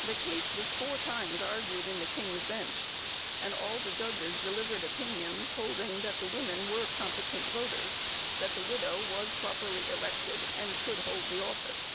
The case was four times argued in the King's Bench, and all the judges delivered opinions, holding that the women were competent voters; that the widow was properly elected, and could hold the office.